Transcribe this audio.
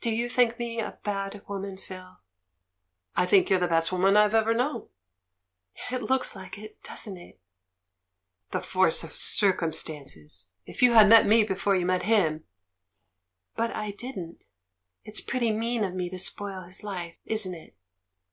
"Do you think me a bad woman, Phil?" "I think you're the best woman I've ever known." "It looks like it, doesn't it?" "The force of circumstances! If you had met me before you met him " "But I didn't. It's pretty; mean of me to spoil his hfe, isn't it?"